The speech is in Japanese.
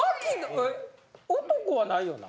男はないよな？